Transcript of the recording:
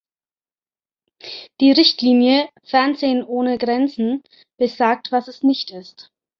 Die Richtlinie "Fernsehen ohne Grenzen" besagt, was es nicht ist.